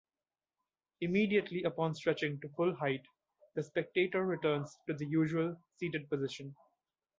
Immediately upon stretching to full height, the spectator returns to the usual seated position.